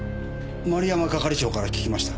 丸山係長から聞きました。